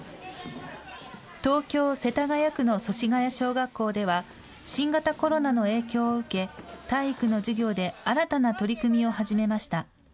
東京世田谷区の祖師谷小学校では新型コロナの影響を受け、体育の授業で新たな取り組みを始めました。